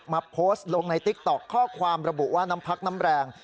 โพสต์ลงในติ๊กต๊อกข้อความระบุว่าน้ำพักน้ำแรง